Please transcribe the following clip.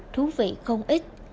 thú vị không ít